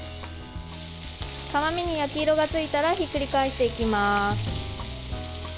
皮目に焼き色がついたらひっくり返していきます。